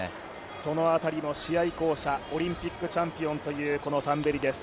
その辺りも試合巧者オリンピックチャンピオンといったタンベリです。